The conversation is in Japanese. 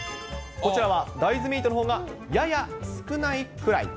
こちらは大豆ミートのほうがやや少ないくらい。